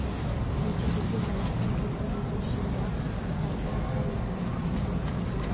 Ni jaribio la Mapinduzi lililoshindwa kwa Serikali ya Mapinduzi